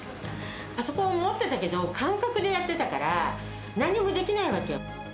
パソコン持ってたけど、感覚でやってたから、何もできないわけよ。